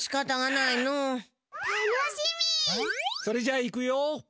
それじゃ行くよ。